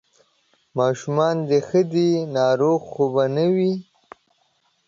ماشومان دې ښه دي، ناروغان خو به نه وي؟